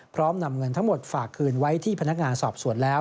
นำเงินทั้งหมดฝากคืนไว้ที่พนักงานสอบสวนแล้ว